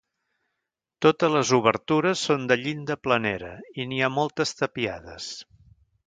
Totes les obertures són de llinda planera, i n'hi ha moltes tapiades.